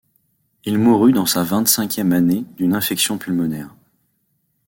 Il mourut dans sa vingt-cinquième année d'une infection pulmonaire.